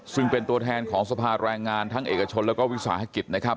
ซึ่งเป็นตัวแทนของสภารายงานทั้งเอกชนและวิศาธิกษ์นะครับ